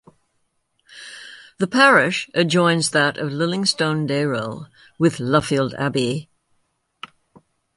The parish adjoins that of Lillingstone Dayrell with Luffield Abbey.